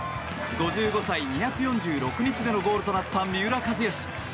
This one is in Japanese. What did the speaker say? ５５歳２４６日でのゴールとなった三浦知良。